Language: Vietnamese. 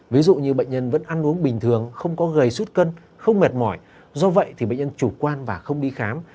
ví dụ như bệnh nhân vẫn ăn uống bình thường không có gầy sút cân không mệt mỏi do vậy thì bệnh nhân chủ quan và không đi khám